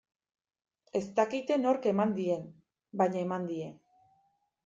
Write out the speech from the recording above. Ez dakite nork eman dien, baina eman die.